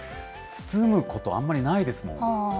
包むこと、あんまりないですもん。